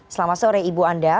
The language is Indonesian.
selamat sore ibu anda